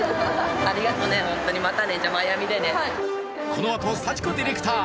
このあと幸子ディレクター